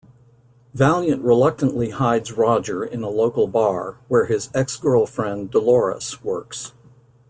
Valiant reluctantly hides Roger in a local bar where his ex-girlfriend, Dolores, works.